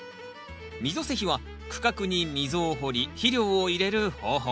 溝施肥は区画に溝を掘り肥料を入れる方法。